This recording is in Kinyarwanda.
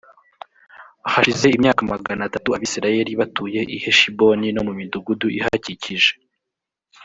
hashize imyaka magana atatu abisirayeli batuye i heshiboni no mu midugudu ihakikije